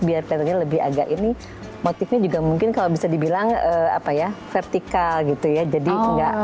biar kelihatannya lebih agak ini motifnya juga mungkin kalau bisa dibilang apa ya vertikal gitu ya